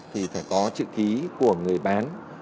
thì phải có chữ ký của người bán